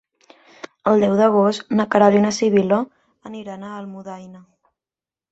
El deu d'agost na Queralt i na Sibil·la aniran a Almudaina.